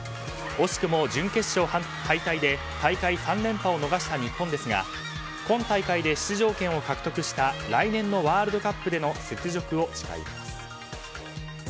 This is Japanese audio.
惜しくも準決勝敗退で大会３連覇を逃した日本ですが今大会で出場権を獲得した来年のワールドカップでの雪辱を誓います。